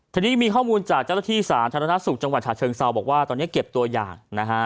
ทีนี้มีข้อมูลจากเจ้าหน้าที่สาธารณสุขจังหวัดฉะเชิงเซาบอกว่าตอนนี้เก็บตัวอย่างนะฮะ